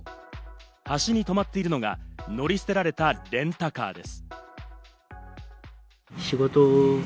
端に止まっているのが乗り捨てられたレンタカーです。